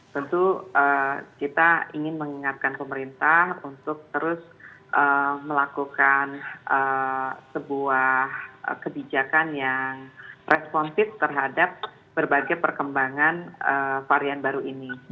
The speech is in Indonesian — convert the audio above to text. tentu kita ingin mengingatkan pemerintah untuk terus melakukan sebuah kebijakan yang responsif terhadap berbagai perkembangan varian baru ini